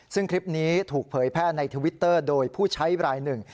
ซึ่งคลิปนี้ถูกเผยแพร่ในทวิตเตอร์โดยผู้ใช้รายหนึ่ง